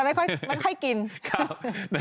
ไม่ค่อยกิน